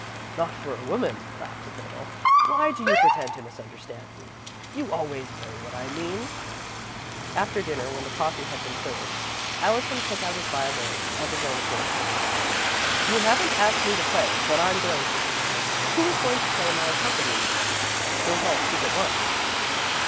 "Not for a woman," laughed the Colonel. "Why do you pretend to misunderstand me? You always know what I mean." After dinner, when the coffee had been served, Allison took out his violin, of his own accord. "You haven't asked me to play, but I'm going to. Who is going to play my accompaniment? Don't all speak at once."